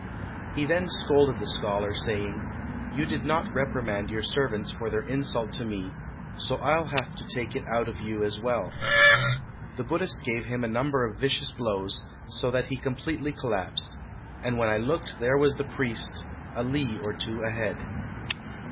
He then scolded the scholar, saying, "You did not reprimand your servants for their insult to me, so I'll have to take it out of you as well." The Buddhist gave him a number of vicious blows, so that he completely collapsed;' and when I looked there was the priest a li or two ahead.